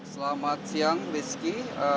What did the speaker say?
selamat siang biski